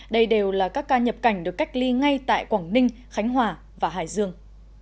đây đều là các ca nhập cảnh được cách ly ngay tại quảng ninh khánh hòa và hải dương